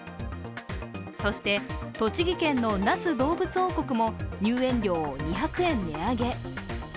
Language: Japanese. そして、栃木県の那須どうぶつ王国も入園料を２００円値上げ。